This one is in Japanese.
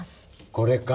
これか。